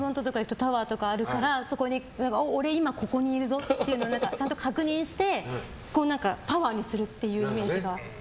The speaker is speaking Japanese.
タワーとかあるから俺、今ここにいるぞってちゃんと確認してパワーにするっていうイメージは。